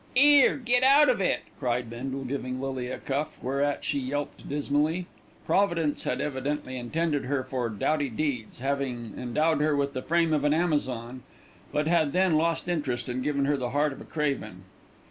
"'Ere, get out of it," cried Bindle, giving Lily a cuff, whereat she yelped dismally. Providence had evidently intended her for doughty deeds, having endowed her with the frame of an Amazon, but had then lost interest and given her the heart of a craven.